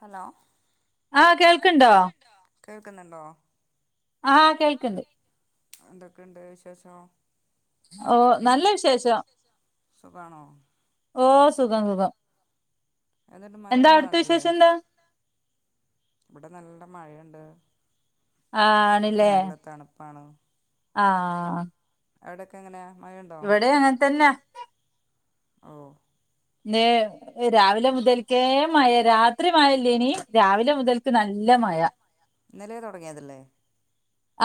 Hello ആ കേൾക്ണ്ടോ കേൾക്കുന്നുണ്ടോ ആഹ് കേൾക്ണ്ട് എന്തൊക്കെയ്ണ്ട് വിശേഷം ഓ നല്ല വിശേഷം സുഖാണോ ഓ സുഖം സുഖം എന്നിട്ട് മഴ ഉണ്ടോ നാട്ടില് ഇവിടെ നല്ല മഴയുണ്ട് ആണ്ല്ലേ ആഹ് അവിടൊക്കെങ്ങെനെയാ ഇവിടേം അങ്ങനെ തന്നെ ഓ ഇന്ന് രാവിലെ മുതൽക്കേ മഴ രാത്രി മഴല്ലേനി രാവിലെ മുതൽക്ക് നല്ല നല്ലമഴ ഇന്നലെ തുടങ്ങിയേതല്ലേ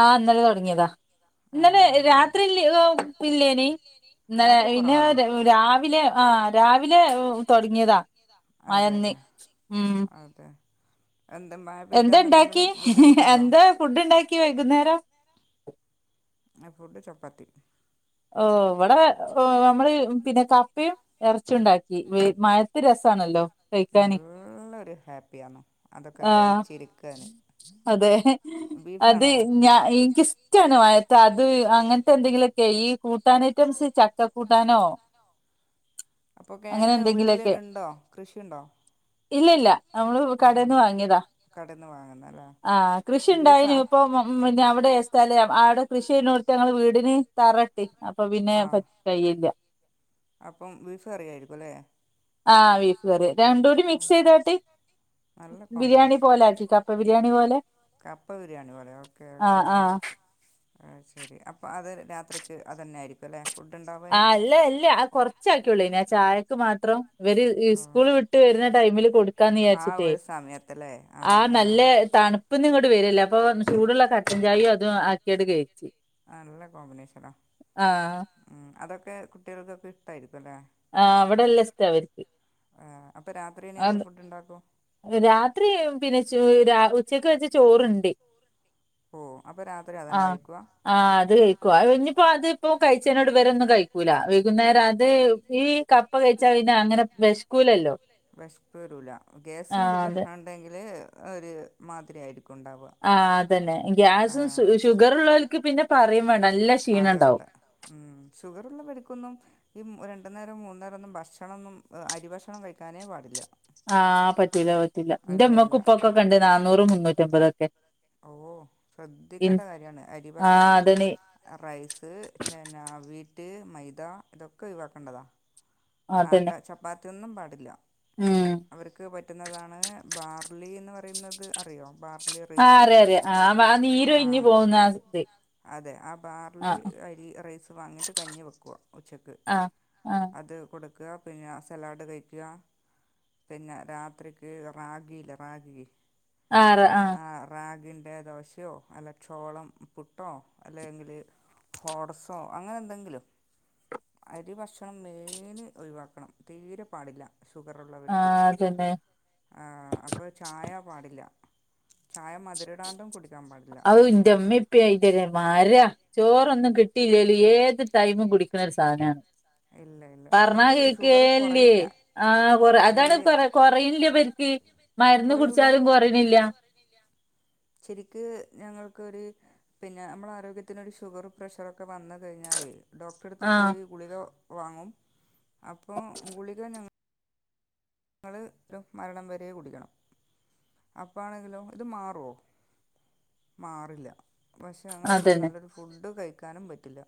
ആഹ് ഇന്നലെ തുടങ്ങിയതാ ഇന്നലെ രാത്രില്ല ഇല്ലേനി ഇന്നലെ ഇന്ന് രാവിലെ ആ രാവിലെ തുടങ്ങിയതാ മഴന്ന് ഉം എന്താ ഇണ്ടാക്കി എന്താ ഫുഡ് ഇണ്ടാക്കി വൈകുന്നേരം ആ ഫുഡ് ചപ്പാത്തി ഓ ഇവിടെ ഓ നമ്മള് പിന്നെ കപ്പയും ഇറച്ചി ഉണ്ടാക്കി മഴത്ത് രസാണല്ലോ. നല്ലൊരു ഹാപ്പിയാണ്. അതൊക്കെ കഴിച്ചിരിക്കാണ്. അതെ അത് ഞാൻ ഇൻക്കിസ്റ്റാണ് [unintelligible] അത് അങ്ങനത്തെ എന്തെങ്കിലൊക്കെ ഈ കൂട്ടാൻ ഐറ്റംസ് ചക്ക കൂട്ടാനോ അപ്പൊ കെങ്ങ് വീട്ടിൽഇണ്ടോ കൃഷിയുണ്ടോ ഇല്ല ഇല്ല നമ്മള് കടന്ന് വാങ്ങിയതാ ആ കൃഷി ഉണ്ടായിനു ഇപ്പോ [unintelligible] [unintelligible] സ്ഥല ആടെ കൃഷി ചെയ്ണോത്ത് ഞങ്ങള് വീടിന് തറയിട്ടി അപ്പൊ പിന്നെ പറ്റുകഴയില്ല അപ്പോ ബിഫ് കറിയായിരിക്കുംല്ലേ ആഹ ബീഫ് കറി രണ്ട് കൂടി മിക്സ് ചെയ്താട്ടെ ബിരിയാണി പോലെ ആക്കി കപ്പ ബിരിയാണി പോലെ കപ്പ ബിരിയാണി പോലെ ഓക്കേ ഓക്കേ ആ ശരി അപ്പം അത് രാത്രിക്ക് അത് തന്നെ ആയിരിക്കും അല്ലേ ആ അല്ല അല്ല കൊറച്ച ആക്കിയള്ളൂ ആ ചായക്ക് മാത്രം ഇവര് സ്കൂള് വിട്ട്‌വരുന്ന ടൈമില് കൊടുക്കാന്ന് വിചാരിച്ചിട്ടേ ആഹ നല്ല തണുപ്പന്ന ഇങ്ങോട്ട് വരില്ല അപ്പൊ ചൂടുള്ള [inaudible] കട്ടൻചായയും അതും ആക്കിട്ട് കഴിച്ച് നല്ല കോമ്പിനേഷനാ ഉം അതൊക്കെ കുട്ടികൾക്കൊക്കെ ഇഷ്ടായിരുന്നു ആ അവിടെല്ല ഇഷ്ടവര്ക്ക്. അ രാത്രി പിന്നെ [unintelligible] ഉച്ചക്ക് വെച്ച [unintelligible] ചോറ്ണ്ട്. ഓ ആഹ് ആ് അത് കഴിക്കു ആയിഞ്ഞിപോ അത് അതിപ്പോ കഴിച്ചകൊണ്ട് ഇവരൊന്നും [unintelligible] [unintelligible] വൈകുന്നേരം അത് ഈ കപ്പ കഴിച്ചാൽ പിന്നെ അങ്ങനെ വെശകുല്ലല്ലോ വിശപ്പ് വരില്ല ഗ്യാസിന്റെ പ്രശ്നം ഉണ്ടെങ്കില് ഒരു മാതിരി ആയിരിക്കും. ആ അതന്നെ ഗ്യാസും ഷൂ ഷുഗറും ഉള്ളവർക്ക് പിന്നെ പറയും [inaudible] അത് വേണ്ട ഉം, ഷുഗർ ഉള്ളവർക്കൊന്നും [unintelligible] രണ്ടു നേരം മൂന്ന് നേരമൊന്നും ഭക്ഷണമൊന്നും ഉം അരിഭക്ഷണം കഴിക്കാനേ പാടില്ല. ആഹ് പറ്റില്ല പറ്റില്ല എന്റെ ഉമ്മക്കും ഉപ്പക്കുമൊക്കെയുണ്ട് നാന്നൂറും മുന്നൂറ്റിയമ്പതുമോക്കെ. ഓ ശ്രദ്ധിക്കേണ്ട കാര്യമാണ് അരി ഭക്ഷണം. റൈസ് ചെനാവി. ഈ മൈദ ഇതൊക്കെ ഒഴിവാക്കേണ്ടതാണ് ആട്ട ചപ്പാത്തിയൊന്നും പാടില്ല. അവർക്ക് പറ്റുന്നതാണ് ബാർലി എന്ന് പറയുന്നത് അറിയോ [unintelligible] ആ അറിയ അറിയ ആ ആ നീരൊഴിഞ്ഞ് പോകുന്ന ഇത്. അതെ ആ ബാറിൽ അരി റൈസ് വാങ്ങിയിട്ട് കഞ്ഞി വയ്ക്കുക ഉച്ചക്ക് അത് [unintelligible] കൊടുക്കുക പിന്നെ ആ സലാഡ് കഴിക്കുക. പിന്നെ രാത്രിക്ക് റാഗിയില്ലേ റാഗി ആ [unintelligible] ആ ദോശയോ അല്ല ചോളം പുട്ടോ അല്ലെയെങ്കിൽ [unintelligible] അങ്ങനെ എന്തെങ്കിലും, അരി ഭക്ഷണം മെയിൻ. ഒഴിവാക്കണം തീരെ പാടില്ല. ഷുഗറുള്ളവർക്ക് ആ അപ്പോൾ ചായ പാടില്ല. അത് ന്റെ മ്മയും പ്പയും ആയിന്റെ മരാ ചോറൊന്നും [unintelligible] കിട്ടിയില്ലെങ്കിലും ഏത് ടൈമും കുടിക്കുന്നൊരു സാധനമാണ്. ഇല്ല പറഞ്ഞാൽ കേൾക്കുകയെ ഇല്ലേ ആ കുറെ അതാണ് കുറെ കുറയ്നില്ല ഇവർക്ക്. മരുന്ന് കുടിച്ചാലും കുറയ്ണില്ല ശരിക്ക് ഞങ്ങൾക്കൊരു പിന്നെ നമ്മളുടെ ആരോഗ്യത്തിനൊരു ഷുഗർ [inaudible] ഒക്കെ വന്നു കഴിഞ്ഞാലേയ് ഡോക്ടറുടെയടുത്ത് പോയി ഗുളിക ഉം വാങ്ങും അപ്പോൾ ഗുളിക ഞങ്ങൾ നിങ്ങളിത് മരണം വരെ കുടിക്കണം അപ്പോളാണങ്കിലോ ഇത് മാറുമോ, മാറില്ല. പക്ഷെ ഞങ്ങൾക്കൊരു, നല്ലൊരു ഫുഡ് കഴിക്കാനും പറ്റില്ല.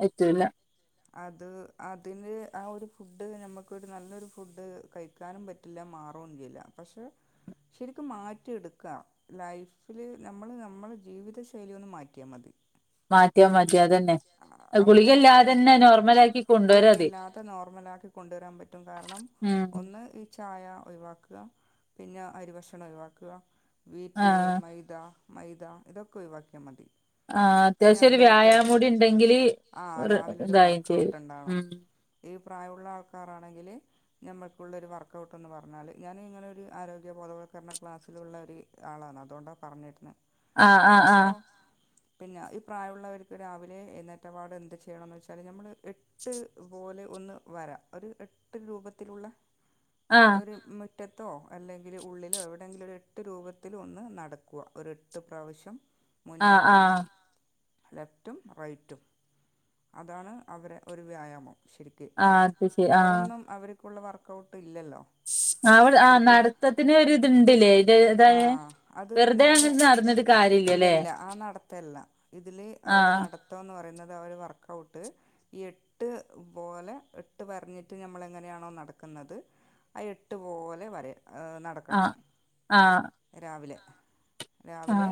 ആയിട്ടില്ല അത് അതിന് ആ ഒരു ഫുഡ് നമ്മൾക്കു ഒരു നല്ലൊരു ഫുഡ് കഴിക്കാനും പറ്റില്ല മാറുകയൊന്നും ചെയ്യില്ല പക്ഷെ ശരിക്കും മാറ്റിയെടുക്കാം ലൈഫിൽ നമ്മൾ നമ്മളുടെ ജീവിത ശൈലി ഒന്ന് മാറ്റിയാൽ മതി മാറ്റിയാൽ മതി അതന്നെ ഗുളികയില്ലാതെതന്നെ ഗുളികയില്ലാതെ തന്നെ നോർമലായി. ഗുളികയില്ലാതെ നോർമലാക്കി കൊണ്ടുവരാൻ പറ്റും കാരണം ഒന്ന് ഈ ചായ ഒഴിവാക്കുക. പിന്നെ അരി ഭക്ഷണം ഒഴിവാക്കുക. വീറ്റ്, മൈദ മൈദ ഇതൊക്കെ ഒഴിവാക്കിയാൽ മതി. ആ അത്യാവശ്യം ഒരു വ്യായാമം കൂടി ഉണ്ടെങ്കില് ഒരു ഒരു വർക്ഔട്ട് ഉണ്ടാകണം. ഈ പ്രായം ഉള്ള ആളുക്കാർ ആണെങ്കിൽ നമ്മൾക്കു ഉള്ളൊരു വർക്ഔട്ട് എന്ന് പറഞ്ഞാൽ. ഞാൻ ഇങ്ങനെ ഒരു ആരോഗ്യ ബോധവൽക്കരണ ക്ലാസ്സിലുള്ള ഒരു ആളാണ് അതുകൊണ്ടാ പറഞ്ഞിരുന്നു. ആ.. ആ.. ആ.. പിന്നെ ഈ പ്രായമുള്ളവർക്ക് രാവിലെ എഴുന്നേറ്റപാട് എന്ത് ചെയ്യണമന്ന് വെച്ചാൽ അത് നമ്മൾ എട്ട് പോലെ ഒന്ന് വരയുക. ഒരു എട്ട് രൂപത്തിലുള്ള. ഒരു ഉം മുറ്റത്തോ അല്ലെങ്കിൽ ഉള്ളിലോ എവിടെയെങ്കിലും ഒരു എട്ട് രൂപത്തിൽ ഒന്ന് നടക്കുക. ഒരു എട്ട് പ്രാവശ്യം. മുന്നോട്ടും, ലെഫ്റ്റും, റൈറ്റും അതാണ് അവരുടെ ഒരു വ്യായാമം ശരിക്കും. വേറൊന്നും അവർക്കുള്ള വർക്കൗട്ട് ഇല്ലല്ലോ അവൾ ആ നടത്തത്തിന് ഒ ഇത് ഇണ്ടല്ലോ ഇത് അതായ വെറുതെ അങ്ങ നടന്നത് ഇല്ല ഇല്ല ആ നടത്തല്ല ഇതില് അവര് നടത്തോന്ന് പറയുന്നത് അവര് വർക്ക്‌ ഔട്ട് ഈ എട്ട് പോലെ എട്ട് പറഞ്ഞിട്ട് നമ്മള എങ്ങനെയാണോ നടക്കുന്നത് ആ എട്ട് പോലെ വരെ നടക്കണം രാവിലെ രാവിലെ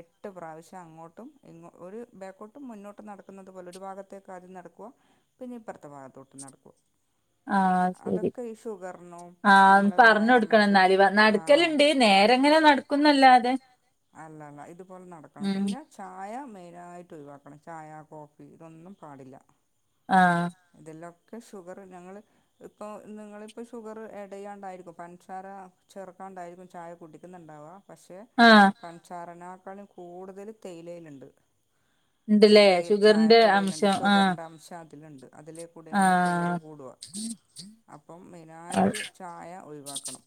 എട്ട് എട്ട് പ്രാവശ്യം അങ്ങോട്ടും ഇ ഒരു ബേക്കോട്ടും മുന്നോട്ടും നടക്കുന്നത് പോലെ ഒരു ഭാഗത്തേക്ക ആദ്യം നടക്കുവുക പിന്നെ ഇപ്പുറത്തെ ഭാഗത്തോട്ട് നടക്കുക ആ ശരി ആ പറഞ്ഞു കൊടുക്കണം എന്നാലേ നടുക്കലുണ്ട് നേരെങ്ങനെ നടക്കുന്നല്ല അതെ അല്ല അല്ല ഇതുപോലെ നടക്കണം പിന്നെ ചായ നേരായിട്ട് ഒഴിവാക്കണം ചായ കോഫി ഇതൊന്നും പാടില്ല ആ ഷുഗർ ഞങ്ങൾ ഇപ്പോൾ നിങ്ങളിപ്പോൾ ഷുഗർ ഡ് ചെയ്യാണ്ടായിരിക്കും പഞ്ചാര ചെറുക്ക അണ്ടായിരിക്കും [unintelligible] ചായ കുടിക്കുന്നുണ്ടാവുക പക്ഷെ പഞ്ചസാരയെക്കാളും കൂടുതൽ തേയിലയിലുണ്ട് ചായപ്പൊടിയിലുണ്ട് ഷുഗറിന്റെ അംശം അതിലുണ്ട് അതിലേക്കൂടെയാണ് ഷുഗർ കൂടുക അപ്പം മെയിനായിട്ട് ചായ ഒഴിവാക്കണം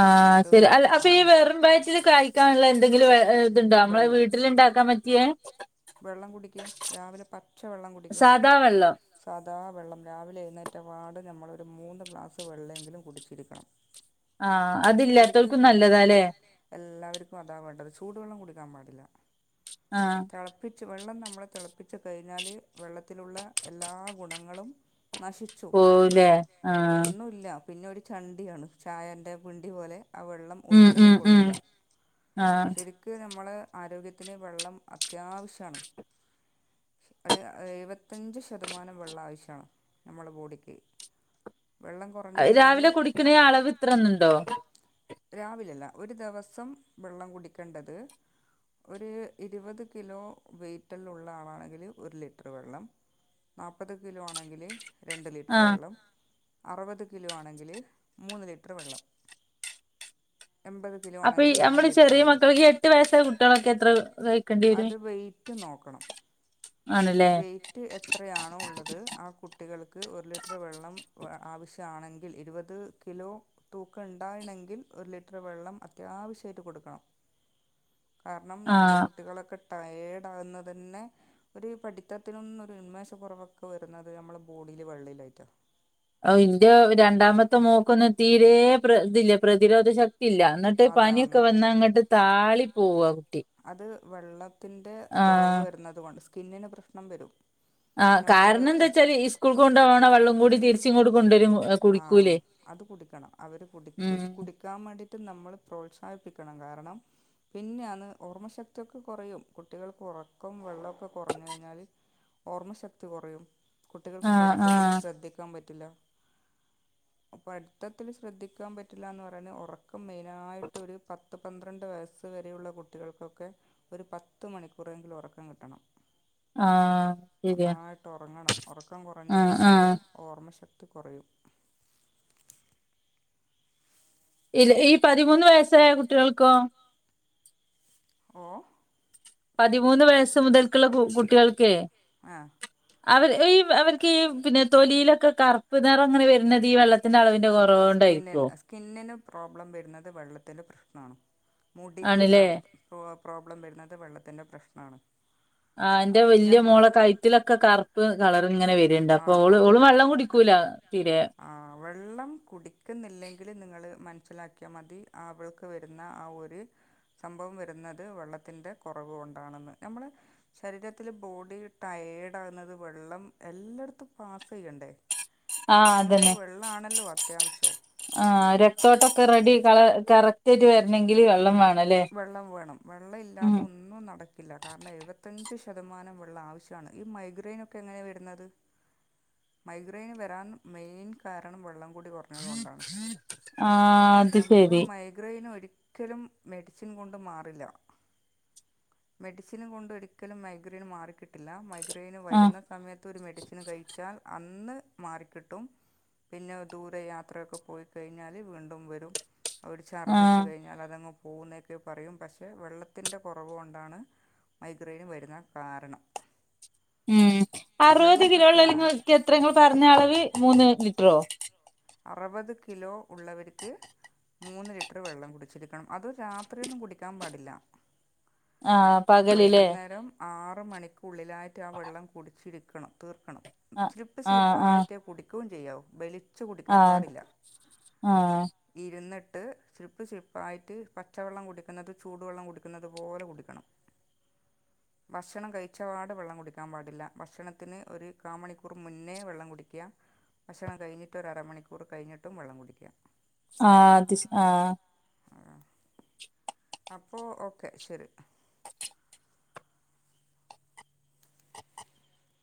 ആ ശരി അല്ല അപ്പൊ ഈ വെറും വാറ്റില് കഴിക്കാനുള്ള എന്തെങ്കിലും ഇണ്ടോ നമ്മളെ വീട്ടിലുണ്ട ആക്കാൻ പറ്റിയ വെള്ളം കുടിക്ക രാവിലെ പച്ച വെള്ളം കുടിക്കുക സാദാ വെള്ളം രാവിലെ എഴുന്നേറ്റവാട് നമ്മൾ ഒരു മൂന്ന് ഗ്ലാസ് വെള്ളമെങ്കിലും കുടിച്ചിരിക്കണം ആ അതില്ലാത്തവർക്കും നല്ലതല്ലേ ചൂടുവെള്ളം കൊടുക്കാൻ പാടില്ല തിളപ്പിച്ച് വെള്ളം നമ്മളെ തിളപ്പിച്ചു കഴിഞ്ഞാല് വെള്ളത്തിലുള്ള എല്ലാ ഗുണങ്ങളും പോവലേ ആ പിന്നെ ഒരു ചണ്ടിയാണ് ചായൻ്റെ പിണ്ടി പോലെ ആ വെള്ളം ഒന്നിനും കൊള്ളില്ല ശരിക്ക് നമ്മൾ ആരോഗ്യത്തിന് വെള്ളം അത്യാവശ്യമാണ് എഴുപത്തി അഞ്ചു ശ ശതമാനം വെള്ള ആവശ്യമാണ് നമ്മുടെ ബോഡിക്ക് രാവിലെ കുടിക്കണം അളവ് ഇത്രന്നുണ്ടോ രാവിലെ ഇല്ല ഒരു ദിവസം വെള്ളം കുടിക്കേണ്ടത് ഒരു ഇരുപത് കിലോ വെയിറ്റ് ഉള്ള ആളാണെങ്കില് ഒരു ലിറ്റർ വെള്ളം നാല്പത് കിലോ ആണെങ്കിൽ രണ്ട് ലിറ്റർ വെള്ളം അറുപത് കിലോ ആണെങ്കില് മൂന്ന് ലിറ്റർ വെള്ളം അപ്പൊ ഈ നമ്മള് ചെറിയ മക്കൾക്ക് എട്ടു വയസ്സായ കുട്ടികളൊക്കെ എത്ര കഴക്കേണ്ടി വരും ക്കണം വെയിറ്റ് എത്ര ആണോ ഉള്ളത് ആ കുട്ടികൾക്ക് ഒരു ലിറ്റർ വെള്ളം ആവശ്യമാണെങ്കിൽ ഇരുപത് കിലോ തൂക്ക ഉണ്ടാക ഒരു ലിറ്റർ വെള്ളം അത്യാവശ്യമായിട്ട് കൊടുക്കണം കാരണം ഞമ്മളെ കുട്ടികളൊക്കെ ടയേർഡ് ആകുന്ന തന്നെ ഒരു പഠിത്തത്തിന് ഒരു ഉന്മേഷ കുറവൊക്കെ വരുന്നത് നമ്മളുടെ ബോഡിൽ വെള്ളയിലായിട്ടോ ഇന്റെ രണ്ടാമത്തെ മോക്കൊന്നും തീരെ പ്ര ഇതില്ല പ്രതിരോധ ശക്തി ഇല്ല എന്നിട്ട് പനിയൊക്കെ വന്നാ അങ്ങോട്ട് താളി പോക അത് വെള്ളത്തിന്റെ കുറവ് വരുന്നത കൊണ്ട് സ്കിന്നിന് പ്രശ്നം വരും ആ കാരണം എന്താ വെച്ചാൽ ഈ സ്കൂൾക്ക് കൊണ്ടു പോകണണം വെള്ളം കൂടി തിരിച്ചും ഇങ്ങോട് കൊണ്ടുവരും ആഹ അത് കുടിക്കണം അവര് കു കുടിക്കാൻ വേണ്ടിട്ട് നമ്മൾ പ്രോത്സാഹ പിക്കണം കാരണം പിന്നെയാണ് ഓർമ്മശക്തിയൊക്കെ കുറയും കുട്ടികൾക്ക് ഉറക്കം വെള്ളം കുറഞ്ഞു കഴിഞ്ഞാൽ ഓർമ്മ ശക്തി കുറയും കുട്ടികൾക്ക് പഠിത്തത്തില് ശ്രദ്ധിക്കാൻ പറ്റില്ല അപ്പൊ പഠിത്തത്തില് ശ്രദ്ധിക്കാൻ പറ്റില്ലന്ന് പറഞ്ഞ് ഉറക്കം മെയിനായിട്ട് ഒരു പ പത്ത് പന്ത്രണ്ട് വയസ്സ് വരെയുള്ള കുട്ടികൾക്കൊക്കെ ഒരു പത്ത് മണിക്കൂറെങ്കിലും ഉറക്കം കിട്ടണം നന്നായിട്ട് ഉറങ്ങണം ഉറക്കം കുറഞ്ഞ് കഴിഞ്ഞാൽ അവരെ ഓർമ്മ ശക്തി കുറയും ഇല്ല ഈ പതിമൂന്ന് വയസ്സായ കുട്ടികൾക്കോ പതിമൂന്ന് വയസ്സ് മുതൽക്കുള്ള കു കുട്ടികൾക്കേ അവർ ഈ അവർക്ക് ഈ പിന്നെ തൊലിയിലൊക്കെ കറുപ്പ് നിറം അങ്ങനെ വരുന്നത് ഈ വെള്ളത്തിന്റെ അളവിന്റെ കുറവ് സ്കിന് സ്കിന്നിന് പ്രോബ്ലം വരുന്നത് വെള്ളത്തിന്റെ പ്രശ്നമാണ് മുടിക്ക് പ്രോബ്ലം വരുന്നത് വെള്ളത്തിന്റെ പ്രശ്നമാണ് ആ അന്റെ വലിയ മോളെ കഴുത്തിലൊക്കെ കറുപ്പ് കളർ ഇങ്ങനെ വരിം ണ്ട് അപ്പൊ ഓള് ഓള് വെള്ളം കുടിക്കൂല ആ വെള്ളം കുടിക്കുന്നില്ലെങ്കിൽ നിങ്ങള് മനസ്സിലാക്കിയാൽ മതി അവൾക്ക് വരുന്ന ആ ഒരു സംഭവം വരുന്നത് വെള്ളത്തിന്റെ കുറവു ആണല്ലേ നമ്മുടെ ശരീരത്തിലെ ബോഡി ടയേർഡ് ആകുന്നത് വെള്ളം എല്ലായിടത്തും പാസ് ചെയ്യണ്ടേ ആഹ അതന്നെ ആ രക്തോട്ടം ഇപ്പൊ റെഡി കള കറക്റ്റ് ആയിട്ട് വരണെങ്കിൽ വെള്ളം വേണം വെള്ളം വേണം വെള്ളം ഇല്ലാത്ത ഒന്നും നടക്കില്ല കാരണം എഴുപത്തിയഞ്ച് ശ ശതമാനം വെള്ളം ആവശ്യമാണ് ഈ മൈഗ്രെയിൻ ഒക്കെ എങ്ങനെയാ വരുന്നത് മൈഗ്രേൻ വരാൻ മെയിൻ കാരണം വെള്ളം കൂടി പറഞ്ഞതു കൊണ്ടാണ് നമ്മൾ മൈഗ്രെയിന് ഒരിക്കലും മെഡിസിൻ കൊണ്ട് മാറില്ല മെഡിസിന് കൊണ്ടൊരിക്കലും മൈഗ്രൈൻ മാറി കിട്ടില്ല മൈഗ്ര ഗിന് വരുന്ന സമയത്ത് ഒരു മെഡിസിൻ കഴിച്ചാൽ അന്ന് മാറിക്കിട്ടും പിന്നെ ദൂരെ യാത്രയൊക്കെ പോയി കഴിഞ്ഞാല് വീണ്ടും വരും ഓള് ചർദിച്ചു കഴിഞ്ഞാൽ അതങ്ങ് പോകുന്നൊക്കെ പറയും പക്ഷെ വെള്ളത്തിൻ്റെ കുറവ് കൊണ്ടാണ് മൈഗ്രെയിന് വരുന്ന കാരണം ഉം അറുപത് കിലോ ഉള്ളങ്ങൾക്ക് എത്ര നിങ്ങൾ പറഞ്ഞ അളവ് മൂന്ന് ലിറ്ററോ അറുപത് കിലോ ഉള്ളവർക്ക് മൂന്ന് ലിറ്റർ വെള്ളം കുടിച്ചിരിക്കണം അത് രാത്രിയൊന്നും കുടിക്കാൻ പാടില്ല ആ പകലിലേ ആറ് മണിക്കുള്ളിലായിട്ട് ആ വെള്ളം കുടിച്ചിരിക്കണം തീർ ണം സ്ലിപ്പ് സ്ലിപ്പായിട്ട് കുടിക്കുകയും ചെയ്യാവോ ബലി ച്ച് കുടിക്കാൻ പാടില്ല ഇരുന്നിട്ട് ട്ട് സിപ്പ് സിപ്പായിട്ട് പച്ചവെള്ളം കുടിക്കുന്നത് ചൂടുവെള്ളം കുടിക്കുന്നത് പോലെ കുടിക്കണം [inaudible] ഭക്ഷണം കഴിച്ചപാട് വെള്ളം കുടിക്കാൻ പാടില്ല ഭക്ഷണത്തിന് ഒരു കാൽ മണിക്കൂർ മുന്നേ വെള്ളം കുടിക്കുക ഭക്ഷണം കഴിഞ്ഞിട്ടൊരമണിക്കൂർ കഴിഞ്ഞിട്ടും വെള്ളം കുടിക്കാം ആഹ അത് ശ ആഹ അപ്പൊ ഓക്കെ ശരി ഹ് ഹ്